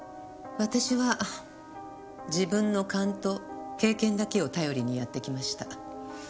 私は自分の勘と経験だけを頼りにやってきました。